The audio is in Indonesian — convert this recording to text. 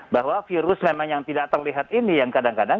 bahwa virus memang yang tidak terlihat ini yang kadang kadang